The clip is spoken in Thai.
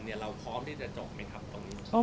เราพร้อมที่จะจบไหม